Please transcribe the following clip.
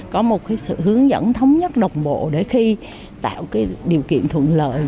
có một cái sự hướng dẫn thống nhất đồng bộ để khi tạo điều kiện thuận lợi